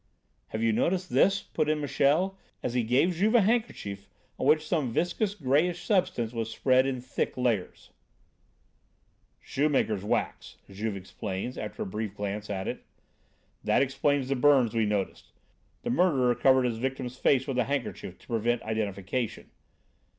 "Have you noticed this, sir?" put in Michel, as he gave Juve a handkerchief on which some vicious, greyish substance was spread in thick layers. "Shoemakers' wax," Juve explained, after a brief glance at it. "That explains the burns we noticed. The murderer covered his victim's face with the handkerchief to prevent identification."